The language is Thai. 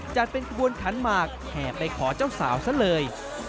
จัดเป็นขบวนขันหมากแห่ไปขอเจ้าสาวซะเลย